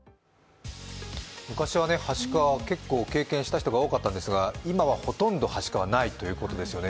昔ははしかは結構、経験した方が多かったんですが、今はほとんど、はしかはないということですよね。